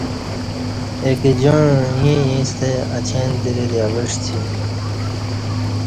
اگِجاعں ییں ایݩستہ اچیندرہ دی اوعسی